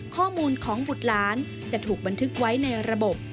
ข้อมูลของบุตรหลานจะถูกบันทึกไว้ในระบบ